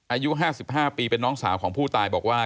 อายุ๕๕ปีเป็นน้องสาวของผู้ตายบอกว่า